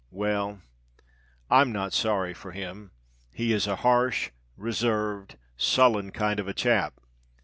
Well—I'm not sorry for him: he is a harsh, reserved, sullen kind of a chap.